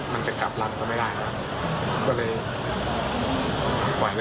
มันจะกักหลั่นก็ไม่ได้ครับ